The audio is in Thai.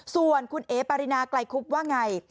ส่วนคุณเอ๋ปารินาไกลคุบว่าไง